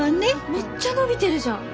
めっちゃ伸びてるじゃん。